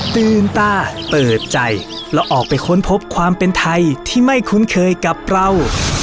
ตื่นตาเปิดใจแล้วออกไปค้นพบความเป็นไทยที่ไม่คุ้นเคยกับเรา